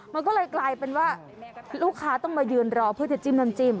มันก็เลยกลายเป็นว่าลูกค้าต้องมายืนรอเพื่อจะจิ้มน้ำจิ้ม